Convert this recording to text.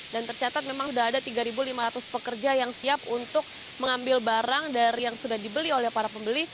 dan tercatat memang sudah ada tiga lima ratus pekerja yang siap untuk mengambil barang dari yang sudah dibeli oleh para pembeli